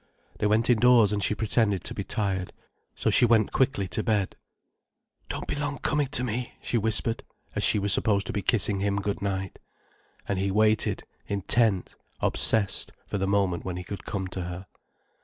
They went indoors and she pretended to be tired. So she went quickly to bed. "Don't be long coming to me," she whispered, as she was supposed to be kissing him good night. And he waited, intent, obsessed, for the moment when he could come to her.